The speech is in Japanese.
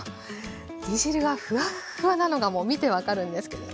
煮汁がフワッフワなのがもう見て分かるんですけれど。